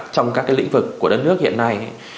trong các lĩnh vực của đất nước hiện nay